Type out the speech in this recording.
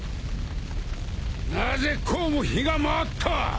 なぜこうも火が回った。